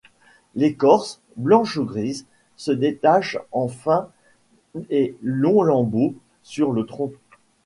L'écorce, blanche ou grise, se détache en fins et longs lambeaux sur le tronc.